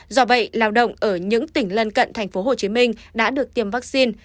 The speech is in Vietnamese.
do vậy lao động ở những tỉnh lân cận tp hcm đã được tiêm vaccine